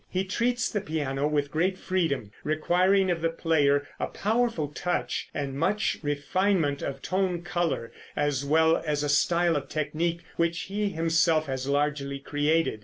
He treats the piano with great freedom, requiring of the player a powerful touch and much refinement of tone color, as well as a style of technique which he himself has largely created.